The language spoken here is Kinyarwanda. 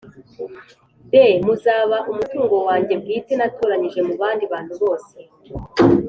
D muzaba umutungo wanjye bwite natoranyije mu bandi bantu bose